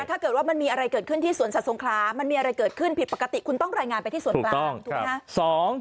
ถ้าเกิดว่ามันมีอะไรเกิดขึ้นที่สวนสัตว์สงครามันมีอะไรเกิดขึ้นผิดปกติคุณต้องรายงานไปที่ส่วนกลางถูกไหมคะ